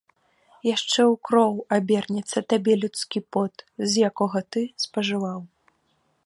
Яшчэ ў кроў абернецца табе людскі пот, з якога ты спажываў!